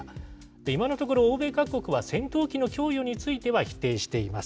今のところ、欧米各国は戦闘機の供与については否定しています。